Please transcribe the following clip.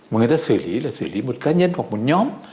mà người ta xử lý là xử lý một cá nhân hoặc một nhóm